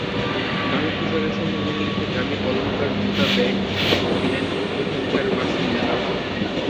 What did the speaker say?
দামি পোশাকের সঙ্গে মিল রেখে দামি অলংকার, জুতা, ব্যাগ কেনেন এখানকার বাসিন্দারা।